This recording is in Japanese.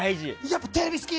やっぱテレビ好き！